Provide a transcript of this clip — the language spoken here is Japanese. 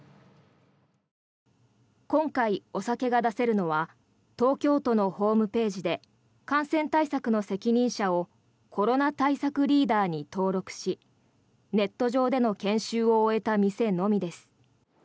今回、お酒が出せるのは東京都のホームページで感染対策の責任者をコロナ対策リーダーに登録しネット上での研修を終えた店のみです。